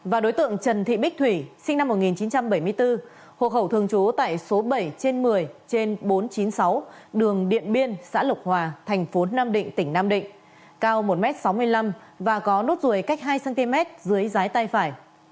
và đối tượng trần thị bích thủy sinh năm một nghìn chín trăm bảy mươi bốn hộ khẩu thường trú tại số bảy trên một mươi trên bốn trăm chín mươi sáu đường điện biên xã lộc hòa thành phố nam định tỉnh nam định cao một m sáu mươi năm và có nốt ruồi cách hai cm dưới tay phải